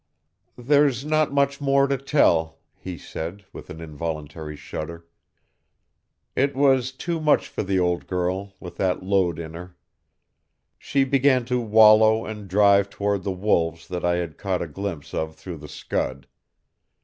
"There's not much more to tell," he said, with an involuntary shudder. "It was too much for the old girl with that load in her. She began to wallow and drive toward the Wolves that I had caught a glimpse of through the scud.